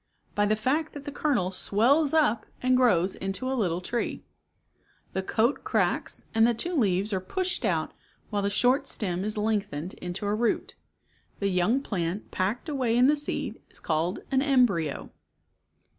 By the fact that the kernel swells up and grows into a little tree. The coat cracks and the two leaves are pushed out while the short stem is lengthened into a root. The young plant packed away in the seed is called an emdryo.